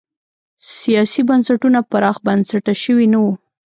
سیاسي بنسټونه پراخ بنسټه شوي نه وو.